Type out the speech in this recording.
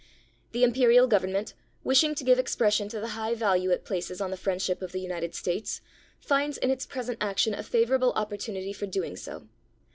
The Imperial Government, wishing to give expression to the high value it places on the friendship of the United States, finds in its present action a favorable opportim ity for doing so.